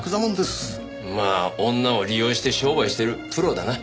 まあ女を利用して商売してるプロだな。